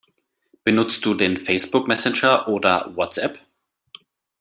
Benutzt du den Facebook Messenger oder WhatsApp?